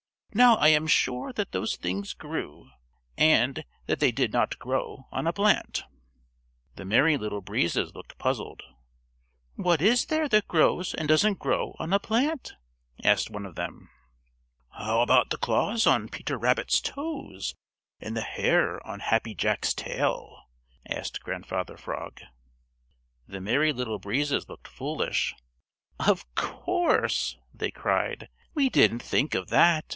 Now I am sure that those things grew, and that they did not grow on a plant." The Merry Little Breezes looked puzzled. "What is there that grows and doesn't grow on a plant?" asked one of them. "How about the claws on Peter Rabbit's toes and the hair of Happy Jack's tail?" asked Grandfather Frog. The Merry Little Breezes looked foolish. "Of course," they cried. "We didn't think of that.